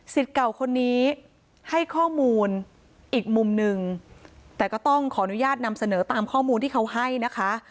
เก่าคนนี้ให้ข้อมูลอีกมุมหนึ่งแต่ก็ต้องขออนุญาตนำเสนอตามข้อมูลที่เขาให้นะคะ